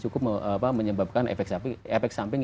cukup menyebabkan efek samping